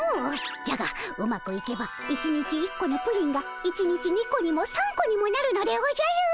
じゃがうまくいけば１日１個のプリンが１日２個にも３個にもなるのでおじゃる！